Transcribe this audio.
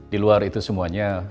di luar itu semuanya